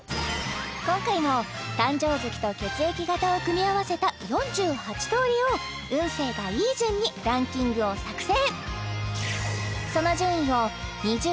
今回も誕生月と血液型を組み合わせた４８通りを運勢がいい順にランキングを作成